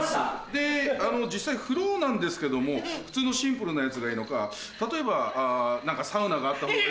で実際風呂なんですけども普通のシンプルなやつがいいのか例えばサウナがあったほうが。